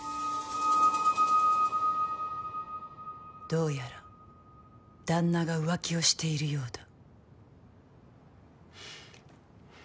どうやら旦那が浮気をしているようだ。